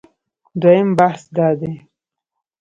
دویم بحث دا دی